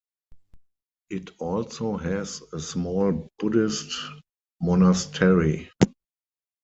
It also has a small Buddhist monastery.